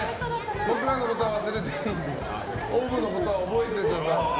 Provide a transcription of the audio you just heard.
僕らのことは忘れていいんでＯＷＶのことは覚えてください。